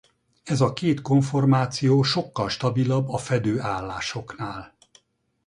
Ez a két konformáció sokkal stabilabb a fedő állásoknál.